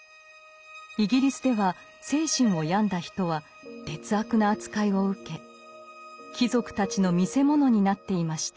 イギリスでは精神を病んだ人は劣悪な扱いを受け貴族たちの見せ物になっていました。